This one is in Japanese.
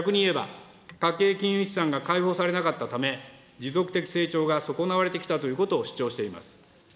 逆にいえば家計金融資産が解放されなかったため、持続的成長が損なわれてきたということを主張しています。